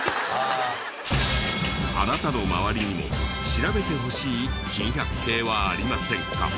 あなたの周りにも調べてほしい珍百景はありませんか？